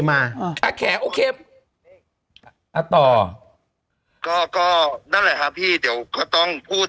มาอ่าแขโอเคนี่ต่อก็ก็นั่นแหละครับพี่เดี๋ยวก็ต้องพูด